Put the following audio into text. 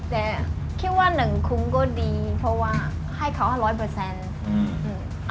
แต่คิดว่าหนึ่งคุ้มก็ดีเพราะว่าให้เขา๑๐๐